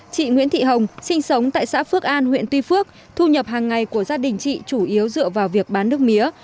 chị nguyễn thị hồng sinh sống tại xã phước an huyện tuy phước thu nhập hàng ngày của gia đình chị chủ yếu dựa vào việc bán nước mía